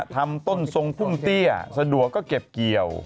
ทำต้นทรงพุ่มเตี้ยสะดวกก็เก็บเกี่ยว